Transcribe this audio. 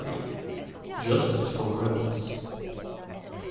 JUSTICE FOR REBELS.